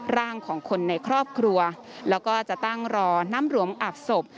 ร่างของคนในครอบครัวแล้วก็จะตั้งรอน้ำหลวมอาบศพ